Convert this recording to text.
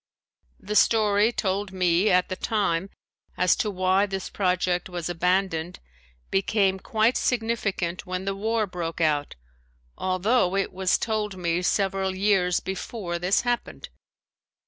The story told me at the time as to why this project was abandoned became quite significant when the war broke out, although it was told me several years before this happened.